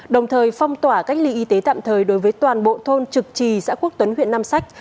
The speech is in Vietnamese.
đồng thời phong tỏa cách ly y tế tạm thời đối với toàn bộ thôn trực trì xã quốc tuấn huyện nam sách